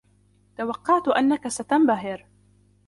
توقعت أنك ستنبهر.